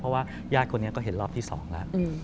เพราะว่าญาติคนนี้ก็เห็นรอบที่๒แล้ว